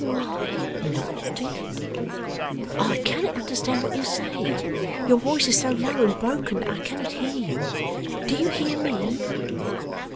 'Am I not dead?' 'I cannot understand what you say. Your voice is so low and broken that I cannot hear you. Do you hear me?